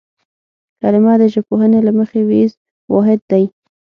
کلمه د ژبپوهنې له مخې وییز واحد دی